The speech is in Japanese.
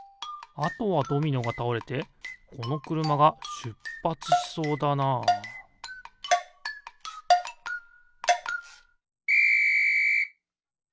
あとはドミノがたおれてこのくるまがしゅっぱつしそうだなあピッ！